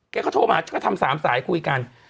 แกก็โทรมาทำสามสายคุยกัน